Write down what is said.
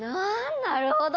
なるほど。